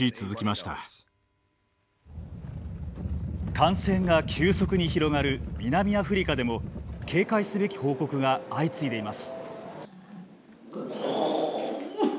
感染が急速に広がる南アフリカでも警戒すべき報告が相次いでいます。